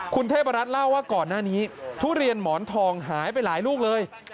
คุณเทพรัฐเล่าว่าก่อนหน้านี้ทุเรียนหมอนทองหายไปหลายลูกเลย